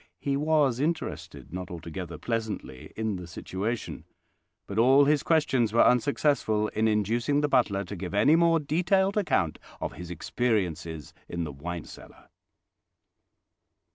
He was interested, not altogether pleasantly, in the situation; but all his questions were unsuccessful in inducing the butler to give any more detailed account of his experiences in the wine cellar.